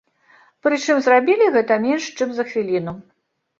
Прычым зрабілі гэта менш чым за хвіліну.